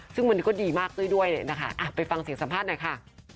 ซึ่งวันนี้ก็ดีมากด้วยนะคะไปฟังเสียงสัมภาษณ์หน่อยค่ะ